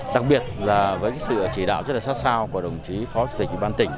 đặc biệt là với cái sự chỉ đạo rất là sát sao của đồng chí phó chủ tịch ubnd tỉnh